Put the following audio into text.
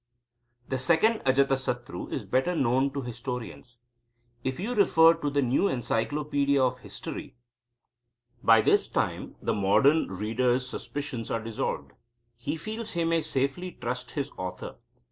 The second Ajatasatru is better known to historians. If you refer to the new Encyclopedia of History...." By this time the modern reader's suspicions are dissolved. He feels he may safely trust his author.